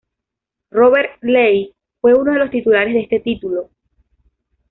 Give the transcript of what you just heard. Robert Ley fue uno de los titulares de este título.